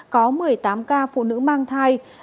có một mươi tám ca phụ nữ mang thai